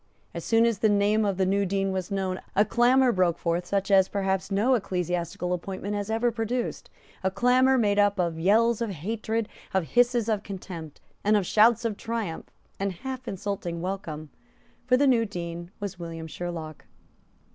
As soon as the name of the new Dean was known, a clamour broke forth such as perhaps no ecclesiastical appointment has ever produced, a clamour made up of yells of hatred, of hisses of contempt, and of shouts of triumphant and half insulting welcome; for the new Dean was William Sherlock.